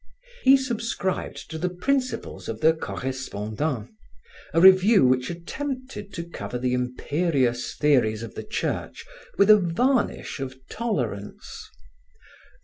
He subscribed to the principles of the Correspondant, a review which attempted to cover the imperious theories of the Church with a varnish of tolerance.